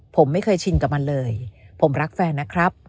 ผมไม่เคยชินกับมันเลยผมรักแฟนนะครับ